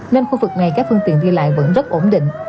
nên khu vực này các phương tiện đi lại vẫn rất ổn định